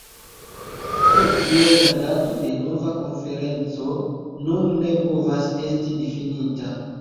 Pro tio la dato de nova konferenco nun ne povas esti difinita.